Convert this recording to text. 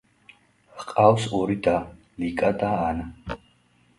ჰყავს ორი და, ლიკა და ანა.